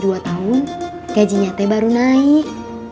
dua tahun gajinya teh baru naik